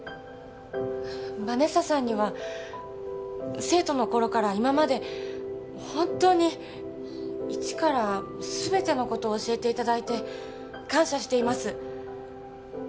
ヴァネッサさんには生徒の頃から今まで本当に一から全てのことを教えていただいて感謝しています